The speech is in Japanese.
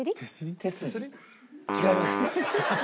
違います。